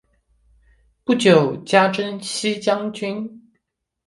不久加征西将军。